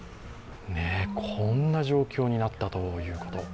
こんな状況になったということ。